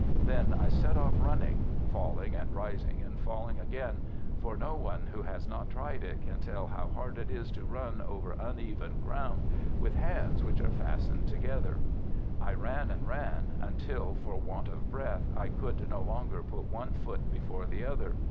Then I set off running, falling and rising and falling again, for no one who has not tried it can tell how hard it is to run over uneven ground with hands which are fastened together. I ran and ran, until for want of breath I could no longer put one foot before the other.